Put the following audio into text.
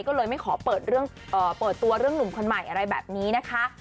ก็เลยไม่ขอเปิดตัวเรื่องหนุ่มคนใหม่อะไรแบบนี้นะคะ